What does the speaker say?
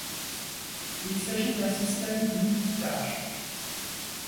Il s'agit d'un système multitâches.